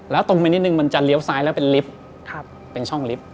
แล้วตรงไปนิดนึงมันจะเลี้ยวซ้ายแล้วเป็นลิฟต์เป็นช่องลิฟต์